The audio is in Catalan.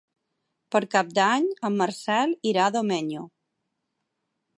Per Cap d'Any en Marcel irà a Domenyo.